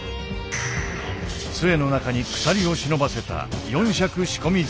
杖の中に鎖を忍ばせた四尺仕込み杖。